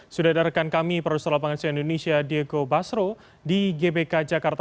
sudah ada rekan kami produser lapangan sian indonesia diego basro di gbk jakarta